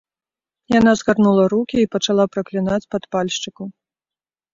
Яна згарнула рукі і пачала праклінаць падпальшчыкаў.